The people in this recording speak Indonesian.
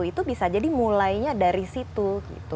itu bisa jadi mulainya dari situ gitu